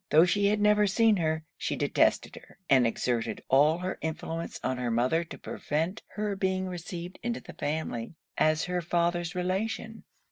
Tho' she had never seen her, she detested her; and exerted all her influence on her mother to prevent her being received into the family as her father's relation.